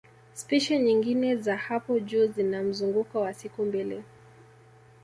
Spishi nyingine za hapo juu zina mzunguko wa siku mbili